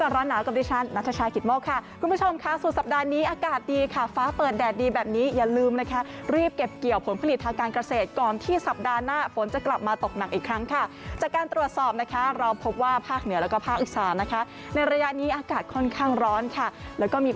รู้ก่อนร้อนหนาว